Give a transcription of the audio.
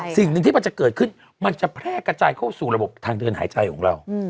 สิ่งหนึ่งที่มันจะเกิดขึ้นมันจะแพร่กระจายเข้าสู่ระบบทางเดินหายใจของเรา